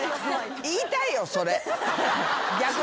言いたいよそれ逆に。